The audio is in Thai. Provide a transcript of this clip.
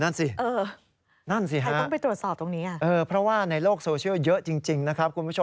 นั่นสิฮะเพราะว่าในโลกโซเชียลเยอะจริงนะครับคุณผู้ชม